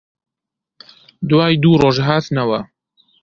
دوای دوو ڕۆژ هاتنەوە